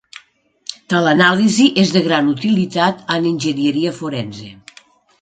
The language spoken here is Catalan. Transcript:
Tal anàlisi és de gran utilitat en enginyeria forense.